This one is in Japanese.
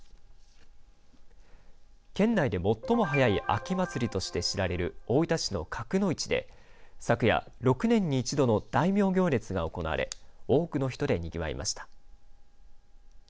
県内で最も早い秋祭りとして知られる大分市の賀来の市で昨夜、６年に一度の大名行列が行われ多くの人でにぎわいました。